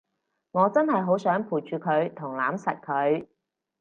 我真係好想陪住佢同攬實佢